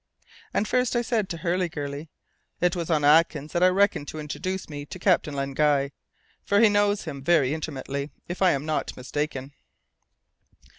And first I said to Hurliguerly: "It was on Atkins that I reckoned to introduce me to Captain Len Guy, for he knows him very intimately, if I am not mistaken."